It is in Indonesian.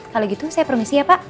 kalau gitu saya permisi ya pak